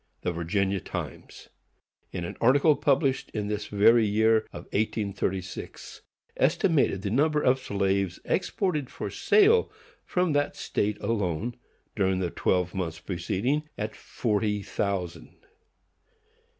The Virginia Times, in an article published in this very year of 1836, estimated the number of slaves exported for sale from that state alone, during the twelve months preceding, at forty thousand.